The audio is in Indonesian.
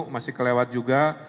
masih kelewat juga